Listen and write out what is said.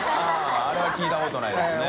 Δあれは聞いたことないですね。